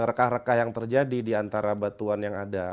rekah rekah yang terjadi di antara batuan yang ada